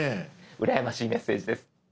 うらやましいメッセージです。